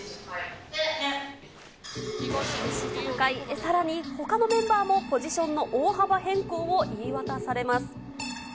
さらにほかのメンバーもポジションの大幅変更を言い渡されます。